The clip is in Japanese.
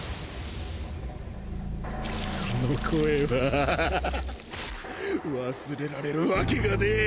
その声はぁああ忘れられるわけがねぇ！